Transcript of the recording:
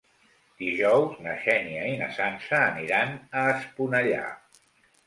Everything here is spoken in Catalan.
Dijous na Xènia i na Sança aniran a Esponellà.